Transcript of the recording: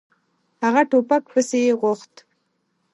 هغه ټوپک پسې غوښت.